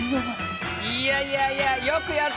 いやいやいやよくやったぞ森田！